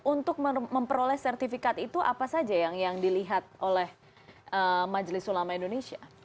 untuk memperoleh sertifikat itu apa saja yang dilihat oleh majelis ulama indonesia